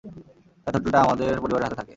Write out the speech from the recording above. যাতে হোটেলটা আমাদের পরিবারের হাতে থাকে।